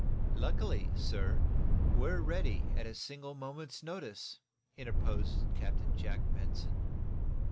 "Luckily, sir, we're ready, at a single moment's notice," interposed Captain Jack Benson.